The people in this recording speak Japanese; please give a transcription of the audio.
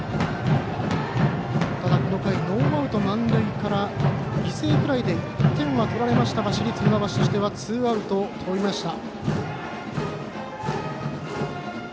この回ノーアウト満塁から犠牲フライで１点は１点を取られましたが市立船橋としてはツーアウトとりました。